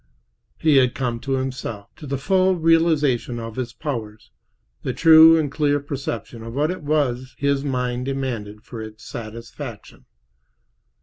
He had come to himself—to the full realization of his powers, the true and clear perception of what it was his mind demanded for its satisfaction.